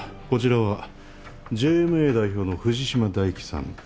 こちらはＪＭＡ代表の藤島大器さん。